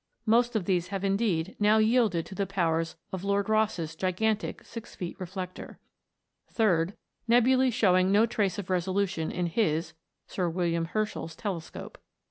Most of these have indeed now yielded to the powers of Lord Rosse's gigantic six feet reflector ; 3rd. Nebulas showing no trace of resolution in his (Sir William Herschel' s) telescope.